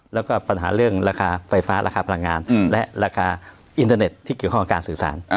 แล้วก็ปัญหาเรื่องราคาไฟฟ้าราคาพลังงานและราคาอินเทอร์เน็ตที่เกี่ยวข้องกับการสื่อสาร